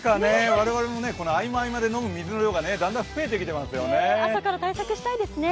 我々も合間合間で飲む水の量がだんだん増えてきていますよね。